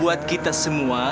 ini tidak pantas bu